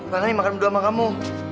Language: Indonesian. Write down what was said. aku kanan nih makan berdua sama kamu